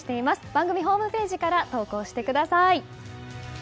番組ホームページから投稿してください。